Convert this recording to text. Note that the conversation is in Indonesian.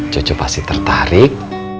cucu pasti tertarik